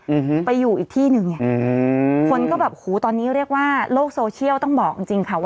อืมไปอยู่อีกที่หนึ่งอ่ะอืมคนก็แบบหูตอนนี้เรียกว่าโลกโซเชียลต้องบอกจริงจริงค่ะว่า